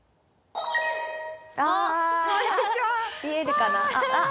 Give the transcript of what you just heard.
見えるかな。